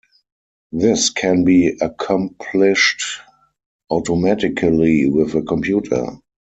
This can be accomplished automatically with a computer.